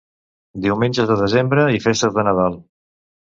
Diumenges de desembre i festes de Nadal.